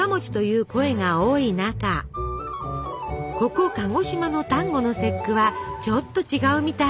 ここ鹿児島の端午の節句はちょっと違うみたい。